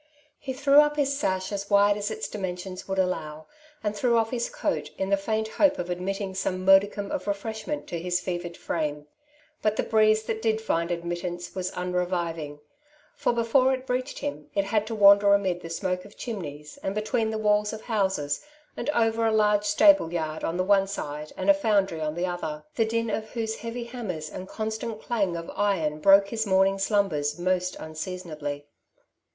He threw up his sash as wide as its dimensions would allow, and threw oflf his coat, in the faint hope of admitting some modicum of refreshment to his fevered frame; but the breeze that did find ad mittance was unreviving, for before it reached him it had to wander amid the smoke of chimneys, and between the walls of houses, and over a large stable yard on the one side, and a foundry on the other, the din of whose heavy hammers and con stant clang of iron broke his morning slumbers most unseasonably.